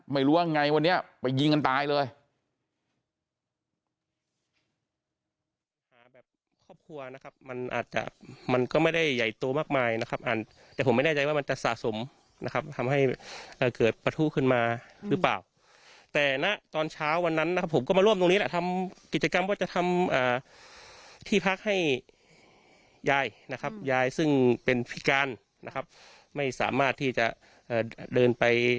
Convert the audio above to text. ไม่รู้ว่าไงวันนี้ไปยิงกันตายเลย